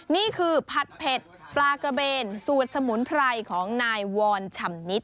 นี่คือผัดเผ็ดปลากระเบนสูตรสมุนไพรของนายวอนชำนิด